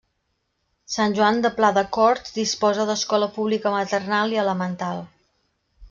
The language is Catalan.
Sant Joan de Pladecorts disposa d'escola pública maternal i elemental.